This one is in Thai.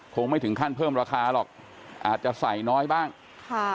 คงไม่ถึงขั้นเพิ่มราคาหรอกอาจจะใส่น้อยบ้างค่ะ